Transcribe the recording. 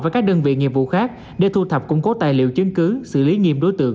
với các đơn vị nghiệp vụ khác để thu thập củng cố tài liệu chứng cứ xử lý nghiêm đối tượng